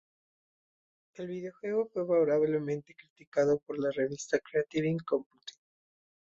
El videojuego fue favorablemente criticado por la revista "Creative Computing".